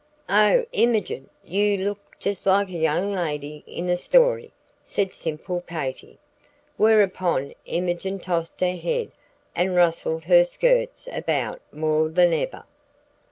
"Oh, Imogen, you look just like a young lady in a story!" said simple Katy; whereupon Imogen tossed her head and rustled her skirts about more than ever.